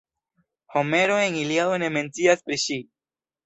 Homero en Iliado ne mencias pri ŝi.